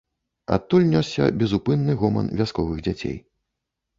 Адтуль нёсся безупынны гоман вясковых дзяцей.